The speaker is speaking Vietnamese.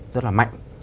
rất là mạnh